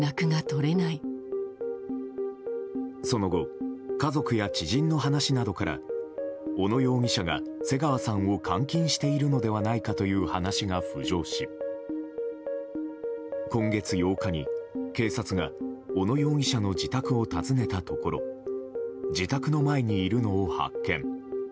その後家族や知人の話などから小野容疑者が瀬川さんを監禁しているのではないかという話が浮上し今月８日に警察が小野容疑者の自宅を訪ねたところ自宅の前にいるのを発見。